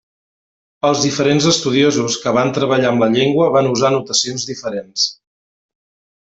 Els diferents estudiosos que van treballar amb la llengua van usar notacions diferents.